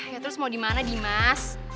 ya terus mau di mana dimas